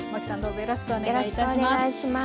よろしくお願いします。